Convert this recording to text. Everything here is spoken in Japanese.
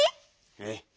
ええ。